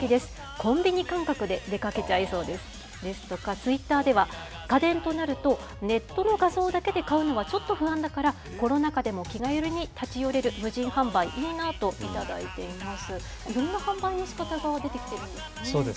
コンビニ感覚で出かけちゃいそうですですとか、ツイッターでは、家電となると、ネットの画像だけで買うのはちょっと不安だから、コロナ禍でも気軽に立ち寄れる無人販売いいなと頂いています。